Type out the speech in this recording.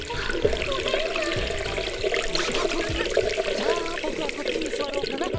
じゃあ僕はこっちに座ろうかな。